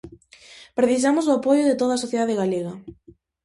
Precisamos do apoio de toda a sociedade galega.